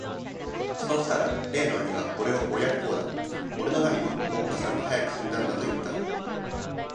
さうしたら例の兄がおれを親不孝だ、おれの為めに、おつかさんが早く死んだんだと云つた。